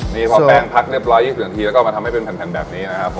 นี่พอแป้งพักเรียบร้อย๒๐นาทีแล้วก็มาทำให้เป็นแผ่นแบบนี้นะครับ